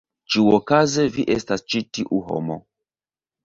Ĉiuokaze vi estas ĉi tiu homo.